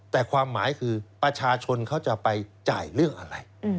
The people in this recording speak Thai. แต่ความหมายคือประชาชนเขาจะไปจ่ายเรื่องอะไร